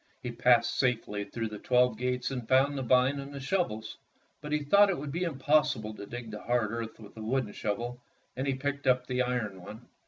He passed safely through the twelve gates and found the vine and the shovels, but he thought it would be impossible to dig the hard earth with the wooden shovel, and he picked up the iron one.